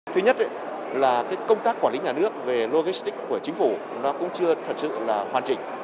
thứ nhất là công tác quản lý nhà nước về logistics của chính phủ nó cũng chưa thật sự là hoàn chỉnh